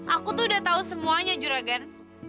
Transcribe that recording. aku tuh udah tau semuanya juragan